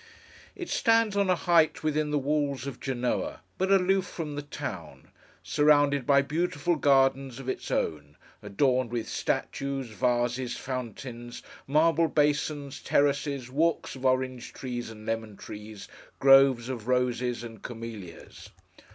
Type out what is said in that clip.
It stands on a height within the walls of Genoa, but aloof from the town: surrounded by beautiful gardens of its own, adorned with statues, vases, fountains, marble basins, terraces, walks of orange trees and lemon trees, groves of roses and camellias.